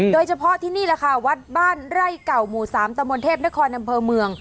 โดยเฉพาะที่นี่แหละค่ะวัดบ้านไร่เก่าหมู่๓ตะมนเทพนครอำเภอเมือง